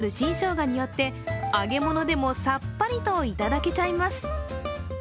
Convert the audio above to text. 清涼感のある新生姜によって揚げ物でも、さっぱりといただけちゃいます。